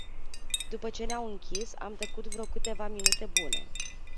După ce ne-au închis, am tăcut vreo câteva minute bune